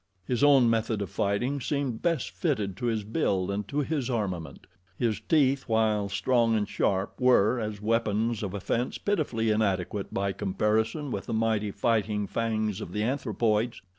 His own method of fighting seemed best fitted to his build and to his armament. His teeth, while strong and sharp, were, as weapons of offense, pitifully inadequate by comparison with the mighty fighting fangs of the anthropoids.